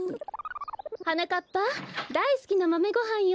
はなかっぱだいすきなまめごはんよ。